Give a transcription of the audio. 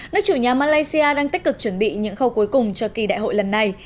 nước chủ nhà malaysia đang tích cực chuẩn bị những khâu cuối cùng cho kỳ đại hội lần này